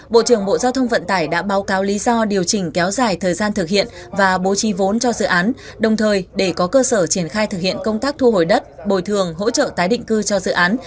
bộ trưởng bộ giao thông vận tải đã báo cáo lý do điều chỉnh kéo dài thời gian thực hiện và bố trí vốn cho dự án đồng thời để có cơ sở triển khai thực hiện công tác thu hồi đất bồi thường hỗ trợ tái định cư cho dự án